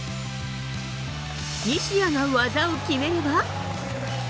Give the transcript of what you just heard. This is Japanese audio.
西矢が技を決めれば。